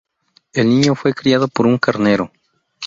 El niño fue criado por un carnero.